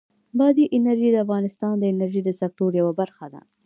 بادي انرژي د افغانستان د انرژۍ د سکتور یوه برخه ده.